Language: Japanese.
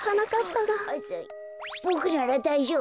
ボクならだいじょうぶ！